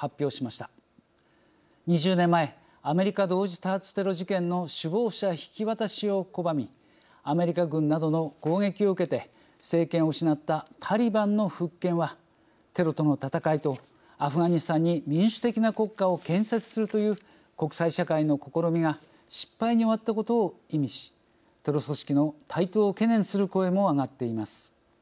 ２０年前アメリカ同時多発テロ事件の首謀者引き渡しを拒みアメリカ軍などの攻撃を受けて政権を失ったタリバンの復権はテロとの戦いとアフガニスタンに民主的な国家を建設するという国際社会の試みが失敗に終わったことを意味しテロ組織の台頭を懸念する声も上がっています。